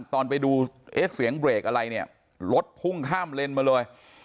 ตอนไปดูเอ๊ะเสียงเบรกอะไรเนี่ยรถพุ่งข้ามเลนมาเลย